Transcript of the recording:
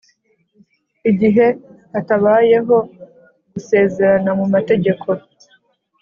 igihe hatabayeho gusezerana mu mategeko,